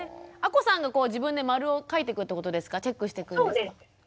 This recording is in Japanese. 亜子さんが自分で○を書いてくってことですかチェックしてくんですか？